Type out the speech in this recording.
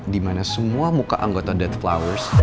dimana semua muka anggota dead flowers